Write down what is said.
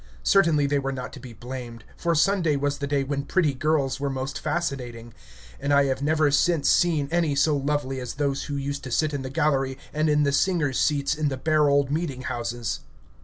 Certainly they were not to be blamed, for Sunday was the day when pretty girls were most fascinating, and I have never since seen any so lovely as those who used to sit in the gallery and in the singers' seats in the bare old meeting houses.